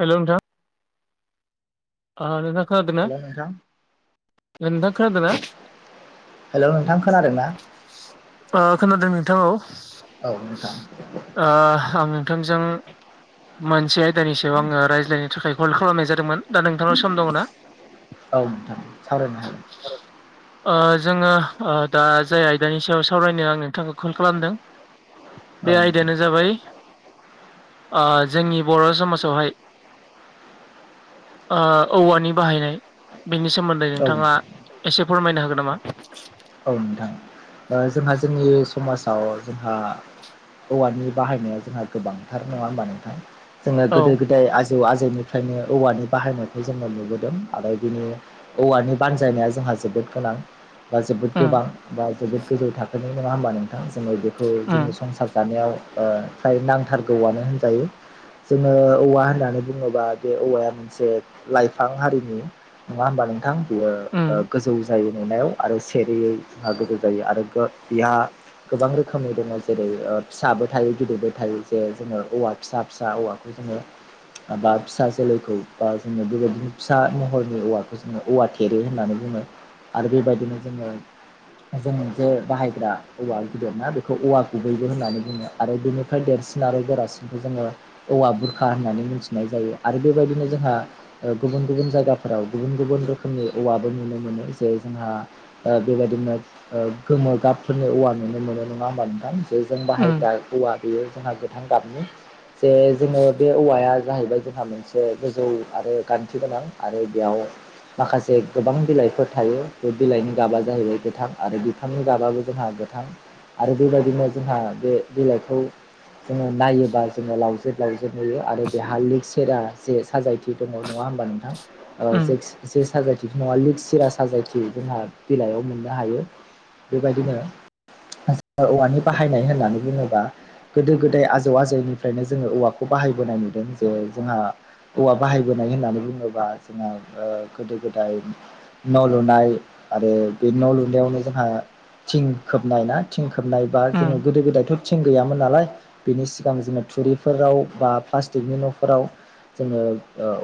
Hello नोंथां ओ नोंथां खोनादोंना? हेल' नोंथां ए नोंथां खोनादों ना? हेलौ नोंथां खोनादों ना? ओ खोनादों नोंथां औ। औ नोंथां। ओ आं नोंथांजों मोनसे आयदानि सायाव आङो रायज्लायनो थाखाय कल खालामनाय जादोंमोन। दा नोंथांनाव सम दङ ना? औ नोंथां सावरायनो हागोन ओ जोङो ओ दा जाय आयदानि सायाव सावरायनो आं नोंथांखौ कल खालामदों औ बे नोंथां आयदायानो जाबाय ओ जोंनि बर' समाजावहाय ओ औवानि बाहायनाय बेनि सोमोन्दै औ नोंथाङा नोंथां एसे फोरमायनो हागोन नामा? औ नोंथां। ओ जोंहा जोंनि समाज आव जोंहा औवानि बाहायनाया जोंहा गोबांथार नङा होमबा नोंथां। जोङो औ गोदो गोदाय आजौ आजैनिफ्रायनो औवानि बाहायनायखौ जोङो नुबोदों आरो बिनि औवानि बानजायनाया जोंहा जोबोद गोनां। बा जोबोद उम गोबां बा जोबोद गोजौ थाखोनि नङा होमबा नोंथां जोङो बेखौ उम जोंनि संसार जानायाव ओ फ्राय नांथारगौआनो होनजायो। जोङो औवा होननानै बुङोबा बे औवाया मोनसे लाइफां हारिनि नङा होमबा नोंथां बियो ओ उम गोजौ जायो नुनायाव आरो सेरेयै जोंहा गोजौ जायो आरो गो बेहा गोबां रोखोमनि दङ जेरै ओ फिसाबो थायो गिदिरबो थायो जे जोङो औवा फिसा फिसा औवाखौ जोङो बा फिसा जोलैखौ बा जोङो बेबायदिनो फिसा महरनि औवाखौ जोङो औवा थेरे होननानै बुङो आरो बेबायदिनो जोङो जों जे बाहायग्रा औवा गिदिर ना बेखौ औवा गुबैबो होननानै बुङो आरो बेनिफ्राय देरसिन आरो गोरासिनखौ जोङो औवा बुरखा होननानै मिथिनाय जायो आरो बेबायदिनो जोंहा गुबुन गुबुन जायगाफोराव गुबुन गुबुन रोखोमनि औवाबो नुनो मोनो जे जोंहा बेबायदिनो गोमो गाबफोरनि औवा नुनो मोनो नङा होमबा नोंथां ओ जों उम बाहायग्रा औवा बेयो जोंहा गोथां गाबनि जे जोङो बे औवाया जाहैबाय जोंहा मोनसे बे गोजौ आरो गान्थि गोनां आरो बेयाव माखासे गोबां बिलाइफोर थायो बिलाइनि गाबा जाहैबाय गोथां आरो बिफांनि गाबाबो जोंहा गोथां आरो बेबायदिनो जोंहा बे बिलाइखौ जोङो नायोबा जोङो लावजेद लावजेद नुयो आरो बेहा लिक सेरा जे साजाय दङ नङा होमबा नोंथां उम जे साजायथि नङा लिक सिरा साजायथि जोंहा बिलाइयाव मोननो हायो बेबायदिनो ओ औवानि बाहायनाय होननानै बुङोबा गोदो गोदाय आजौ आजौनिफ्रायनो जोङो औवाखौ बाहायबोनाय नुदों जे जोंहा औवा बाहायबोनाय होननानै बुङोबा जोंहा ओ गोदो गोदाय न' लुनाय आरो बे न' लुनायावनो जोंहा थिं खोबनाय ना थिं खोबनाय बा जोङो उम गोदो गोदायथ' थिं गैयामोन नालाय बिनि सिगां जोङो थुरिफोराव बा प्लास्टिकनि न'फोराव जोङो ओ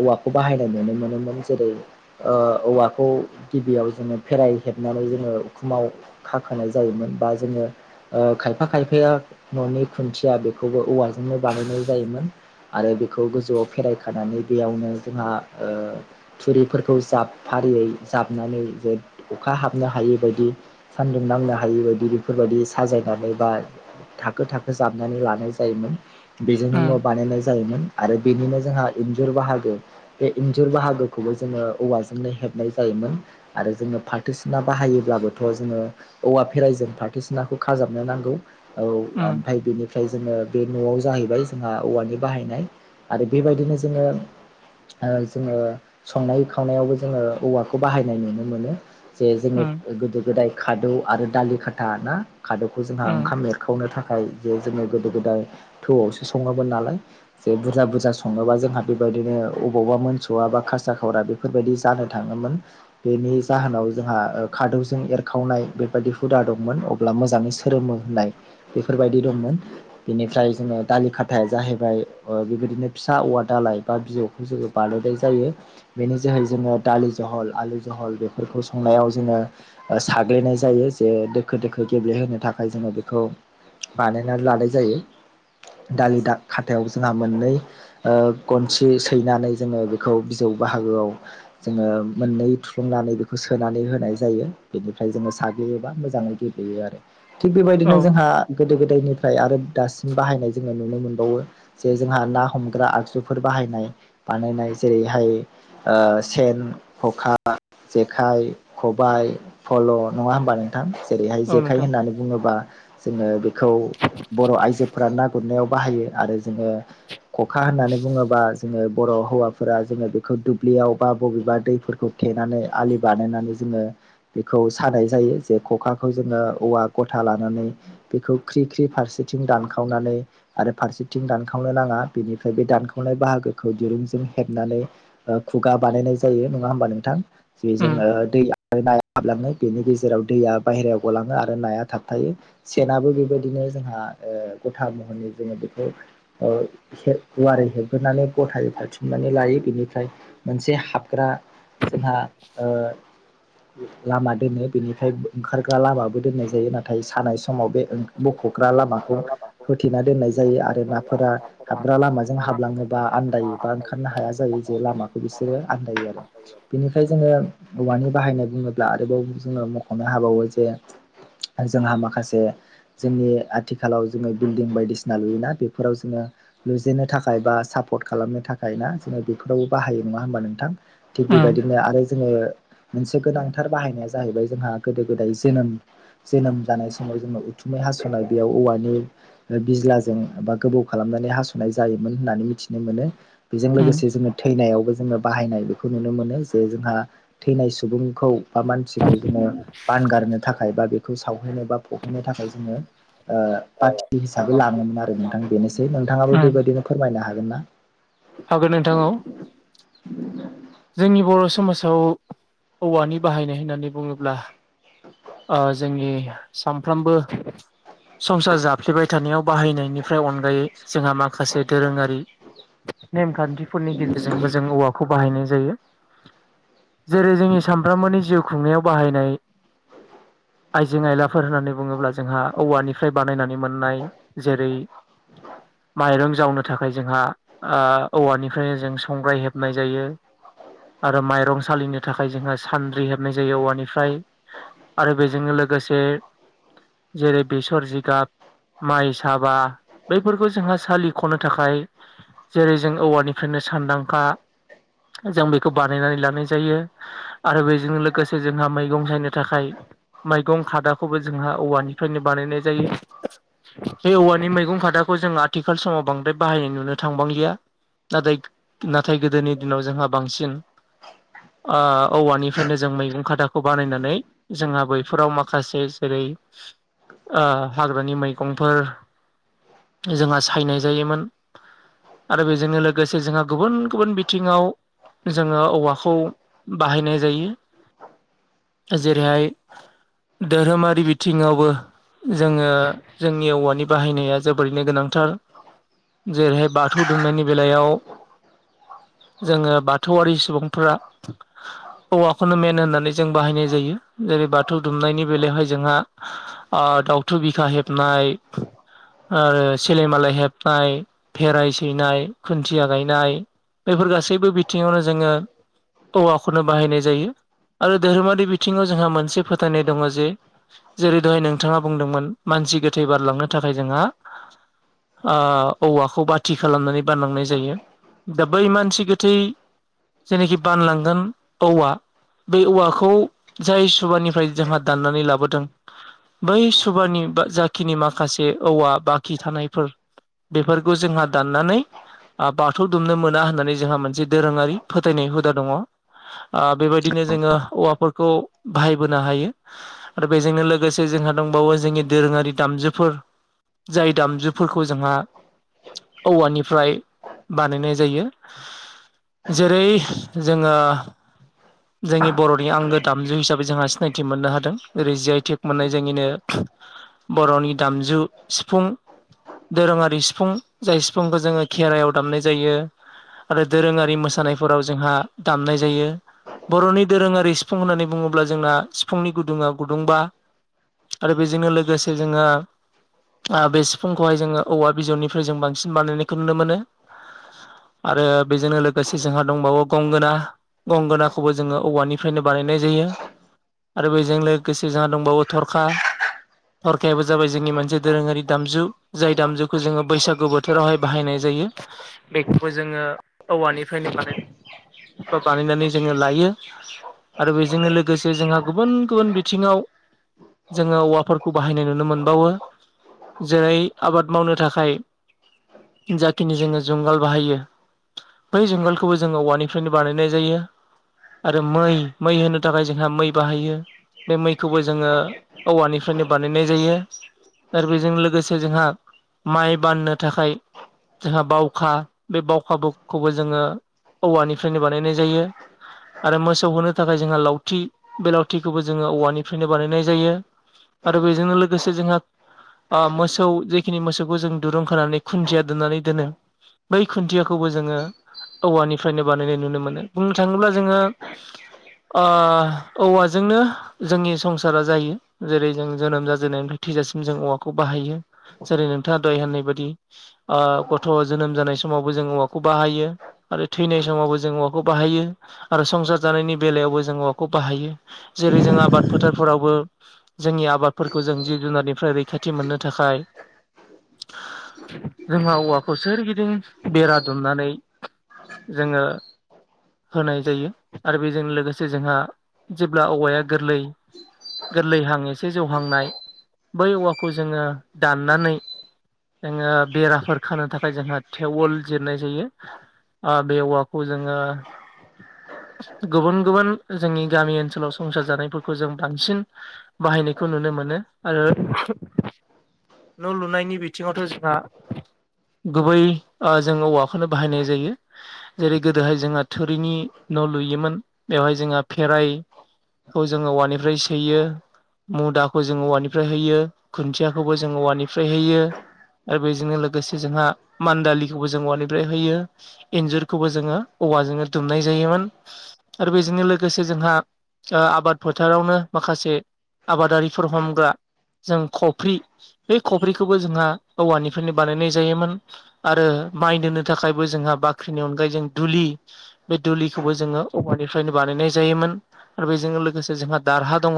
औवाखौ बाहायनाय नुनो मोनोमोन जेरै ओ औवाखौ गिबियाव जोङो फेराइ हेबनानै जोङो उखुमाव खाखोनाय जायोमोन बा जोङो ओ खायफा खायफाया न'नि खुन्थिया बेखौबो औवाजोंनो बानायनाय जायोमोन आरो बेखौ गोजौआव फेराय खानानै बेयावनो जोंहा ओ थुरिफोरखौ जाब फारियै जाबनानै जे अखा हाबनो हायि बायदि सान्दुं नांनो हायै बायदि बेफोरबायदि साजायनानै बा थाखो थाखो जाबनानै लानाय जायोमोन बेजोंनो उम न' बानायनाय जायोमोन आरो बेनिनो जोंहा इन्जुर बाहागो बे इन्जुर बाहागोखौबो जोङो औवाजोंनो हेबनाय जायोमोन आरो जोङो फाथो सिना बाहायोब्लाबोथ' जोङो औवा फेराइजों फाथोसिनाखौ खाजाबनो नांगौ औ उम ओमफ्राय बेनिफ्राय ओ जोङो बे न'आव जाहैबाय जोंहा औवानि बाहायनाय आरो बेबायदिनो जोङो ओ जोङो संनाय खावनायावबो जोङो औवाखौ बाहायनाय नुनो मोनो जे जोङो उम गोदो गोदाय खादौ आरो दालि खाथा ना खादौखौ जोंहा उम ओंखाम एर खावनो थाखाय जे जोङो गोदो गोदाय थौआवसो सङोमोन नालाय जे बुरजा बुरजा सङोबा जोंहा बेबायदिनो अबावबा मोनस'वा बा खासा खावरा बे बेफोरबायदि जानो थाङोमोन बेनि जाहोनाव जोंहा ओ खादौजों एरखावनाय बेबायदि हुदा दंमोन अब्ला मोजाङै सोरोमो होननाय बेफोरबायदि दंमोन बेनिफ्राय जोङो दालि खाथाया जाहैबाय ओ बेबायदिनो फिसा औवा दालाय बा बिजौखौ जोङो बानायनाय जायो बेनि जोहै जोङो दालि जहल आलु जहल बेफोरखौ संनायाव जोङो ओ साग्लिनाय जायो जे दोखो दोखो गेब्लेहोनो थाखाय जोङो बेखौ बानायनानै लानाय जायो दालि दा खाथायाव जोंहा मोननै ओ गनसि सैनानै जोङो बेखौ बिजौ बाहागोआव जोङो मोननै थुफ्लंनानै बेखौ बेखौ सोनानै होनाय जायो बेनिफ्राय जोङो साग्लियोबा मोजाङै गेब्लेयो आरो। थिग औ बेबायदिनो जोंहा गोदो गोदायनिफ्राय आरो दासिम बाहायनाय जोङो नुनो मोनबावो जे जोंहा ना हमग्रा आगजुफोर बाहायनाय बानायनाय जेरैहाय ओ सेन, खखा जेखाइ, खबाइ, फल' नङा होमबा नोंथां जेरैहाय औ जेखाइ नोंथां होननानै बुङोबा जोङो बेखौ बर' आइजोफोरा ना गुरनायाव बाहायो आरो जोङो खखा होननानै बुङोबा जोङो बर' हौवाफोरा जोङो बेखौ दुब्लियाव बा बबेबा दैफोरखौ थेनानै आलि बानायनानै जोङो बेखौ सानाय जायो जे खखाखौ जोङो औवा गथा लानानै बेखौ ख्रि ख्रि फारसेथिं दानखावनानै आरो फारसेथिं दानखावनो नाङा बेनिफ्राय बे दानखावनाय बाहागोखौ दिरुंजों हेबनानै खुगा बानायनाय जायो नङा होमबा नोंथां उम बेजों ओ दै आरो ना हाबलाङो बेनि गेजेराव दैया बाहेरायाव गलाङो आरो नाया थाबथायो सेनाबो बेबायदिनो जोंहा ओ गथा महरै जोङो बेखौ ओ गुवारै हेबग्रोनानै गथाय फारथुमनानै लायो बेनिफ्राय मोनसे हाबग्रा जोंहा ओ लामा दोनो बेनिफ्राय ओंखारग्रा लामाबो दोननाय जायो नाथाय सानाय स समाव बे बख'ग्रा लामाखौ होथेना दोननाय जायो आरो नाफोरा हाबग्रा लामाजों हाबलाङोबा आन्दायो बा ओंखारनो हाया जायो जे लामाखौ बिसोरो आन्दायो आरो। बेनिफ्राय जोङो औवानि बाहायनाय बुङोब्ला आरोबाव जोङो मख'नो हाबावो जे जोंहा माखासे जोंनि आथिखालाव जोङो बिल्डिं बायदिसिना लुयोना बेफोराव जोङो लुजेननो थाखाय बा सापर्ट खालामनो थाखाय ना जोङो बेफोरावबो बाहायो नङा होमबा नोंथां। थिग उम बेबायदिनो आरो जोङो मोनसे गोनांथार बाहायनाया जाहैबाय जोंहा गोदो गोदाय जोनोम जोनोम जानाय समाव जोङो उथुमै हास'नाय बेयाव औवानि बिज्लाजों बा गोबौ खालामनानै हास'नाय जायोमोन होननानै मिथिनो मोनो। बेजों उम लोगोसे जोङो थैनायावबो जोङो बाहायनाय बेखौ नुनो मोनो जे जोंहा थैनाय सुबुंखौ बा मानसिखौ जोङो बानगारनो थाखाय बा बेखौ सावहैनो बा फबहैनो थाखाय जोङो ओ पाटिकि हिसाबै लाङोमोन आरो नोंथां बेनोसै नोंथाङाबो उम बेबायदिनो फोरमायनो हागोन ना। हागोन नोंथा औ। जोंनि बर' समाजाव औवानि बाहायनाय होननानै बुङोब्ला ओ जोंनि सामफ्रोमबो संसार जाफ्लेबाय थानायाव बाहायनायनिफ्राय अनगायै जोंहा मा माखासे दोरोङारि नेमखान्थि फोरनि गेजेरजोंबो जों औवाखौ बाहायनाय जायो जेरै जोंनि सानफ्रोमबोनि जिउ खुंनायाव बाहायनाय आइजें आइलाफोर होननानै बुङोब्ला जोंहा औवानिफ्राय बानायनानै मोननाय जेरै माइरं जावनो थाखाय जोंहा औवानिफ्रायनो जों संग्राय हेबनाय जायो आरो माइरं सालिनो थाखाय जोंहा सान्द्रि हेबनाय जायो औवानिफ्राय आरो बेजोंनो लोगोसे जेरै बेसर जिगाब माइ साबा बैफोरखौ जोंहा सालिख'नो थाखाय जेरै जों औवानिफ्रायनो सान्दांखा जों बेखौ बानायनानै लानाय जायो आरो बेजों लोगोसे जोंहा मैगं सायनो नि थाखाय मैगं खादाखौबो जोंहा औवानिफ्रायनो बानायनाय जायो बे औवानि मैगं खादाखौ जों आथिखाल समाव बांद्राय बाहायनाय नुनो थांबांलिया नाथाय नाथाय गोदोनि दिनाव जोंहा बांसिन आ औवानिफ्रायनो जों मैगं खादाखौ बानायनानै जोंहा बैफोराव माखासे जेरै ओ हाग्रानि मैगंफोर जोंहा सायनाय जायोमोन आरो बेजोंनो लोगोसे जोंहा गुबुन गुबुन बिथिङाव जोङो औवाखौ बाहायनाय जायो जेरैहाय धोरोमारि बिथिङावबो जोङो जोंनि औवानि बाहायनाया जोबोरैनो गोनांथार जेरैहाय बाथौ दुमनायनि बेलायाव जोङो बाथौआरि सुबुंफोरा औवाखौनो मेन होननानै जों बाहायनाय जायो जेरै बाथौ दुमनायनि बेलायावहाय जोंहा ओ दाउथु बिखा हेबनाय आरो सेलेमाला हेबनाय भेराय सैनाय खुन्थिया गायनाय बेफोर गासैबो बिथिङावनो जोङो औवाखौनो बाहायनाय जायो आरो धोरोमारि बि बिथिङाव जोंहा मोनसे फोथायनाय दङ जे जेरै दहाय नोंथाङा बुंदोंमोन मानसि गोथै बारलांनो थाखाय जोंहा ओ औवाखौ बाथि खालामनानै बाननांनाय जायो दा बै मानसि गोथै जेनाखि बानलांगोन औवा बे औवाखौ जाय सुबानिफ्राय जोंहा दाननानै लाबोदों बै सुबानि जाखिनि माखासे औवा बाखि थानायफोर बेफोरखौ जोंहा दाननानै ओ बाथौ दुमनो मोना होननानै जोंहा मोनसे दोरोङारि फोथायनाय हुदा दङ ओ बेबायदिनो जोङो औवाफोरखौ बाहायबोनो हायो आरो बेजोंनो लोगोसे जोंहा दंबावो जोंनि दोरोङारि दामजुफोर जाय दामजुफोरखौ जोंहा औवानिफ्राय बानायनाय जायो जेरै जोङो जोंनि बर'नि आंगो दाम आमजु हिसाबै जोंहा सिनायथि मोननो हादों ओरै जि आइ टि मोननाय जोंनिनो बर'नि दामजु सिफुं दोरोङारि सिफुं जाय सिफुंखौ जोङो खेराइायाव दामनाय जायो आरो दोरोङारि मोसानायफोराव जोंहा दामनाय जायो बर'नि दोरोङारि सिफुं होननानै बुङोब्ला जोंना सिफुंनि गुदुङा गुदुंबा आरो बेजोंनो लोगोसे जोङो ओ बे सिफुंखौहाय जोङो औवा बिजौनिफ्राय जों बांसिन बानायनायखौ नुनो मोनो आरो बेजोंनो लोगोसे जोंहा दंबावो गंगोना गंगोनाखौबो जोङो औवानिफ्रायनो नाय जायो आरो बेजों लोगोसे जोंहा दंबावो थरखा थरखायाबो जाबाय जोंनि मोनसे दोरोङारि दामजु जाय दामजुखौ जोङो बैसागु बोथोरावहाय बाहायनाय जायो बेखौबो जोङो औवानिफ्रायनो बानाय बा बानायनानै जोङो लायो आरो बेजोंनो लोगोसे जोंहा गुबुन गुबुन बिथिङाव जोङो औवाफोरखौ बाहायनाय नुनो मोनबावो जेरै आबाद मावनो थाखाय जाखिनि जोङो जुंगाल बाहायो बै जुंगालखौबो जोङो औवानिफ्रायनो बानायनाय जायो आरो मै मै होनो थाखाय जोंहा मै बाहायो बे मैखौबो जोङो औवानिफ्रायनो बानायनाय जायो आरो बेजों लोगोसे जोंहा माइ बान्नो थाखाय जाहा बावखा बे बावखा बौखौबो जोङो औवानिफ्रायनो बानायनाय जायो। आरो मोसौ होनो थाखाय जोंहा लावथि बे लावथिखौबो जोङो औवानिफ्रायनो बानायनाय जायो। आरो बेजोंनो लोगोसे जोंहा आ मोसौ जेख खिनि मोसौखौ जों दुरुं खानानै खुन्थिया दोननानै दोनो। बै खोन्थियाखौबो जोङो औवानिफ्रायनो बानायनाय नुनो मोनो। बुंनो थाङोब्ला जोंहा आ औवाजोंनो जोंनि संसारा जायो। जेरै जों जोनोम जाजेननायनिफ्राय थैजासिम जों औवाखौ बाहायो। जेरै नोंथाङा दहाय होननाय बायदि आ गथ' जोनोम जानाय स समावबो जों औवाखौ बाहायो। आरो थैनाय समावबो जों औाखौ बाहायो। आरो संसार जानायनि बेलायावबो जों औवाखौ बाहायो। जेरै जों आबाद फोथारफोरावबो जोंनि आबादफोरखौ जों जिब जुनारनिफ्राय रैखाथि मोननो थाखाय जोंहा औवाखौ सोरगिदिं बेरा दुमनानै जोङो होनाय जायो। बेजोंनो लोगोसे जोंहा जेब्ला औवाया गोरलै गोरलैहां एसे जौहांनाय बै औवाखौ जोङो दाननानै जोङो बेराफोर खानो थाखाय जोंहा थेवोल जिरनाय जायो। आ बे औवाखौ जोङो गुबुन गुबुन जोंनि गामि ओनसोलाव संसार जानायफोरखौ जों बांसिन बाहायनायखौ नुनो मोनो। आरो न' लुनायनि बिथिङावथ' जोंहा गुबै ओ जों औवाखौनो बाहायनाय जायो। जेरै गोदोहाय जोंहा थोरिनि न' लुयोमोन बेवहाय जोंहा फेराय खौ जोङो औवानिफ्राय सैयो। मुदाखौ जों औवानिफ्राय होयो। खुन्थियाखौबो जों औवानिफ्राय होयो। आरो बेजोंनो लोगोसे जोंहा मान्दालिखौबो जों औवानिफ्राय होयो। इन्जुरखौबो जोङो औवाजोंनो दुमनाय जायोमोन। आरो बेजोंनो लोगोसे जोंहा आ आबाद फोथारावनो माखासे आबादारिफोर हमग्रा जों खफ्रि बे खफ्रिखोबो जोंहा औवानिफ्रायनो बानायनाय जायोमोन। आरो माइ दोननो थाखायबो जोंहा बाख्रिनि अनगायै जों दुलि बे दुलिखौबो जोङो औवानिफ्रायनो बानायनाय जायोमोन। आरो बेजों लोगोसे जोंहा दारहा दङ।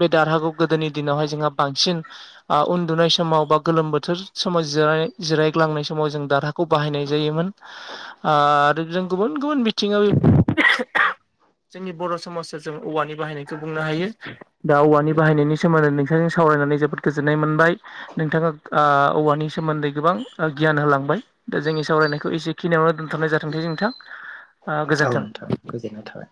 बे दारहाखौ गोदोनि दिनावहाय जोंहा बांसिन आ उन्दुनाय समाव बा गोलोम बोथोर समाव जिराय जिरायग्लांनाय समाव जों दारहा खौ बाहायनाय जायोमोन। आट आरो जों गुबुन गुबुन बिथिङाव जोंनि बर' समाजा जों औवानि बाहायनायखौ बुंनो हायो। दा औवानि बाहायनायनि सोमोन्दै नोंथां जों सावरायनानै जोबोद गोजोननाय मोनबाय। नोंथाङा आ औवानि सोमोन्दै गोबां ओ गियान होलांबाय। दा जोंनि सावरायनायखौ एसे खिनियावनो दोनथ'नाय जाथों [unintelligible] नोंथां औ गोजोन्थों। नोंथां गोजोननाय थाबाय।